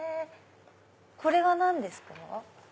これは何ですか？